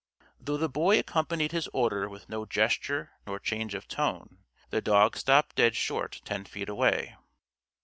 Though the Boy accompanied his order with no gesture nor change of tone, the dog stopped dead short ten feet away.